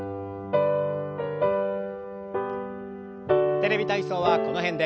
「テレビ体操」はこの辺で。